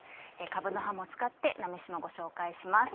かぶの葉も使って菜めしもご紹介します。